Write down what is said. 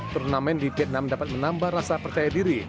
turnamen di vietnam dapat menambah rasa percaya diri